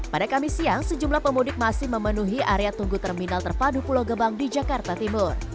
pada kamis siang sejumlah pemudik masih memenuhi area tunggu terminal terpadu pulau gebang di jakarta timur